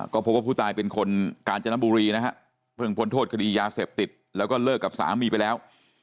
ก็พบว่าผู้ตายเป็นคนกาญจนบุรีนะฮะเพิ่งพ้นโทษคดียาเสพติดแล้วก็เลิกกับสามีไปแล้ว